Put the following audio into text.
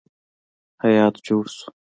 هیات جوړ شو.